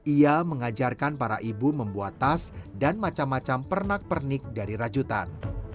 ia mengajarkan para ibu membuat tas dan macam macam pernak pernik dari rajutan